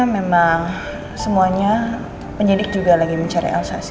memang semuanya penyidik juga sedang mencari elsa sih